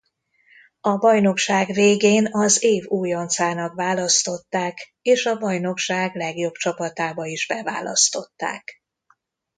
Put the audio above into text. A bajnokság végén az év újoncának választották és a bajnokság legjobb csapatába is beválasztották.